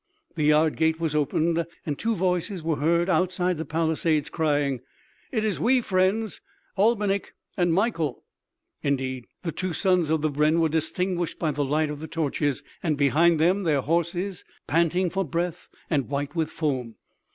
The yard gate was opened and two voices were heard outside the palisades crying: "It is we, friends, ... Albinik and Mikael." Indeed the two sons of the brenn were distinguished by the light of the torches, and behind them their horses, panting for breath and white with foam.